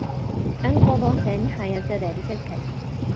أنقض سامي حياة ذلك الكلب.